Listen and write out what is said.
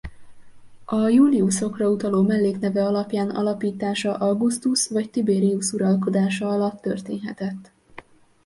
A Iuliusokra utaló mellékneve alapján alapítása Augustus vagy Tiberius uralkodása alatt történhetett.